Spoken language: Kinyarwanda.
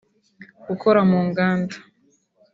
gukora mu nganda